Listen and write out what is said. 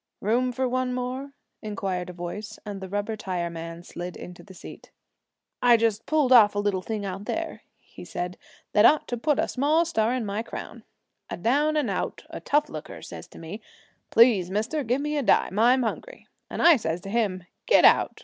'Room for one more?' inquired a voice, and the rubber tire man slid into the seat. 'I just pulled off a little thing out here,' he said, 'that ought to put a small star in my crown. A down and out a tough looker says to me, "Please, mister, give me a dime. I'm hungry." And I says to him, "Get out!